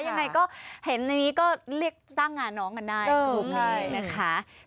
ยังไงก็เห็นในนี้ก็เรียกตั้งงานน้องกันได้โอเคนะคะ